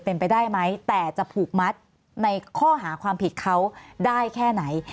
เป็นไปได้ไหมแต่จะผูกมัดในข้อหาความผิดเขาได้แค่ไหน